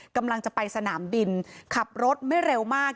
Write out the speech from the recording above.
กำลังจะไปสนามบินขับรถไม่เร็วมาก